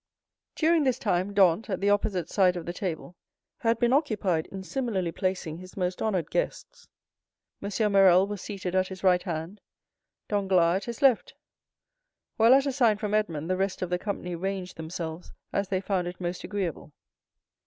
During this time, Dantès, at the opposite side of the table, had been occupied in similarly placing his most honored guests. M. Morrel was seated at his right hand, Danglars at his left; while, at a sign from Edmond, the rest of the company ranged themselves as they found it most agreeable.